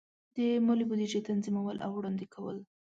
د مالی بودیجې تنظیمول او وړاندې کول.